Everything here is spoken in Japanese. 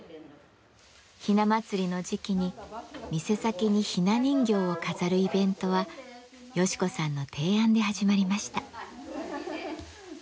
ひな祭りの時期に店先にひな人形を飾るイベントはヨシ子さんの提案で始まりました。